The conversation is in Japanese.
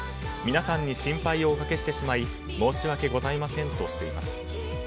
皆さんに心配をおかけしてしまい申し訳ございませんとしています。